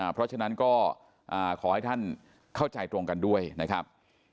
เพราะฉะนั้นก็ขอให้ท่านเข้าใจตรงกันด้วยนะครับ